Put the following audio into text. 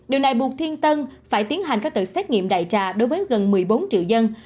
điều này buộc thiên tân phải tiến hành các đợt xét nghiệm đại trà đối với gần một mươi bốn triệu dân